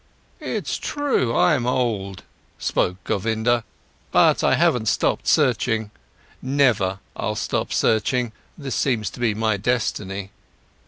"It's true, I'm old," spoke Govinda, "but I haven't stopped searching. Never I'll stop searching, this seems to be my destiny.